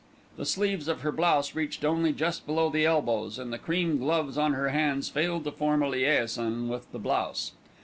The sleeves of her blouse reached only just below the elbows, and the cream gloves on her hands failed to form a liaison with the blouse.